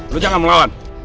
lu jangan melawan